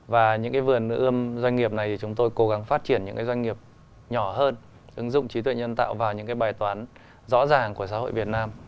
và những cái vườn ươm doanh nghiệp này thì chúng tôi cố gắng phát triển những cái doanh nghiệp nhỏ hơn ứng dụng trí tuệ nhân tạo vào những cái bài toán rõ ràng của xã hội việt nam